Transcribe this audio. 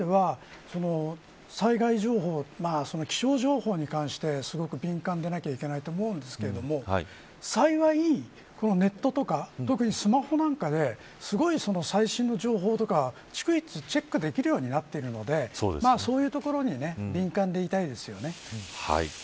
そういう意味では災害情報気象情報に関して、すごく敏感でなくてはいけないと思うんですけど幸い、ネットとか特にスマホなんかですごい最新の情報とか逐一チェックできるようになっているのでそういうところに敏感でいたいですよね。